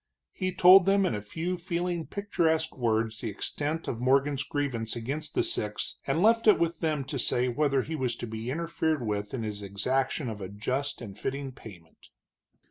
He told them in a few feeling, picturesque words the extent of Morgan's grievance against the six, and left it with them to say whether he was to be interfered with in his exaction of a just and fitting payment.